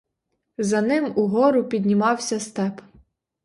За ним угору піднімався степ.